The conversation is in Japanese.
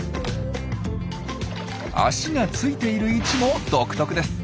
足がついている位置も独特です。